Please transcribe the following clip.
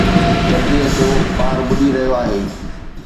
جلدي اچو؛ ٻار ٻڏي رهيو آهي